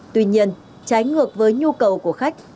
tuy nhiên trái ngược với nhu cầu của khách